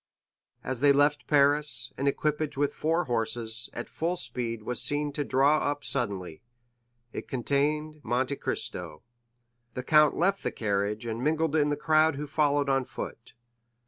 As they left Paris, an equipage with four horses, at full speed, was seen to draw up suddenly; it contained Monte Cristo. The count left the carriage and mingled in the crowd who followed on foot.